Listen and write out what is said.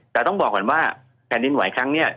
แต่ต้องบอกก่อนว่าแคลดินไหวคังเนี่ย